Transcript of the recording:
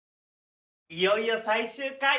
いよいよ最終回。